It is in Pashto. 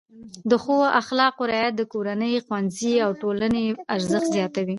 د ښو اخلاقو رعایت د کورنۍ، ښوونځي او ټولنې ارزښت زیاتوي.